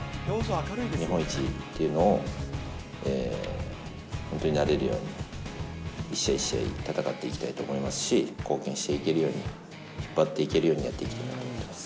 日本一っていうのを、本当になれるように、一試合一試合、戦っていきたいと思いますし、貢献していけるように、引っ張っていけるようにやっていきたいと思います。